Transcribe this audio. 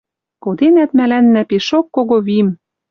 Коденӓт мӓлӓннӓ пишок кого вим.